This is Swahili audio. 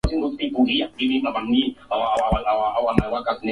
kuamua kufanya mabadiliko katika mpango huo wa nyuklia